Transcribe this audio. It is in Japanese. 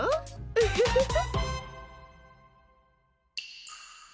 ウフフフ。